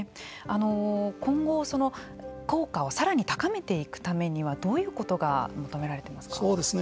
今後、効果をさらに高めていくためにはどういうことが求められていますか。